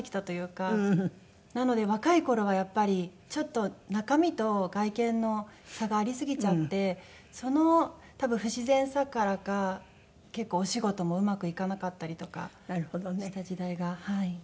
なので若い頃はやっぱりちょっと中身と外見の差がありすぎちゃってその多分不自然さからか結構お仕事もうまくいかなかったりとかした時代がはい。